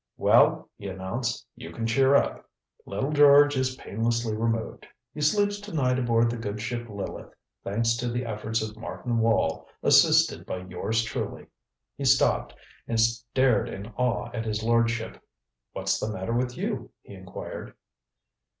"Well," he announced, "you can cheer up. Little George is painlessly removed. He sleeps to night aboard the good ship Lileth, thanks to the efforts of Martin Wall, assisted by yours truly." He stopped, and stared in awe at his lordship. "What's the matter with you?" he inquired.